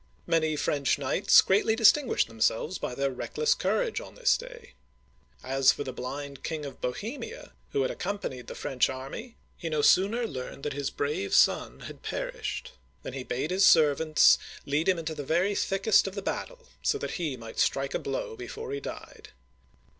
Many French knights greatly distinguished themselves by their reckless courage on this day. As for the blind King of Bohe'mia, who had accompanied the French army, he no sooner learned that his brave son had perished,, than he bade his servants lead him into the very thickest of the battle, so that he might strike a blow before he died.